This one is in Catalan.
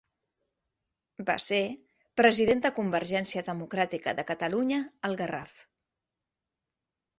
Va ser president de Convergència Democràtica de Catalunya al Garraf.